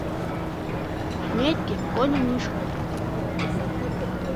Ҳнеит Кекконен ишҟа.